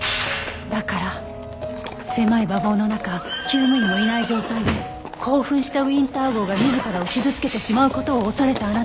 だから狭い馬房の中厩務員もいない状態で興奮したウィンター号が自らを傷つけてしまう事を恐れたあなたは。